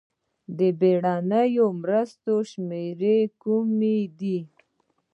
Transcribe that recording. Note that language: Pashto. د بېړنیو مرستو شمېرې کومې دي؟